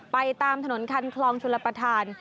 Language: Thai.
ไปตามถนนคันคลองชุนละพทาน